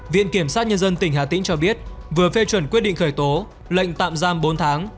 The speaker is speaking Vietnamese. viện kiểm sát nhân dân tỉnh hà tĩnh cho biết vừa phê chuẩn quyết định khởi tố lệnh tạm giam bốn tháng